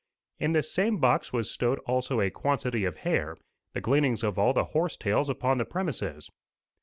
In this same box was stowed also a quantity of hair, the gleanings of all the horse tails upon the premises.